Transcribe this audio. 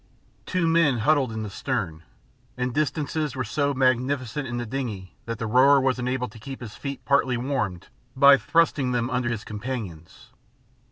Two men huddled in the stern, and distances were so magnificent in the dingey that the rower was enabled to keep his feet partly warmed by thrusting them under his companions.